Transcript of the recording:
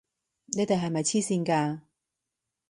你哋係咪癡線㗎！